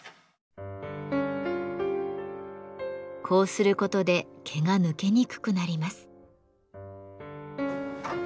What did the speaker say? こうすることで毛が抜けにくくなります。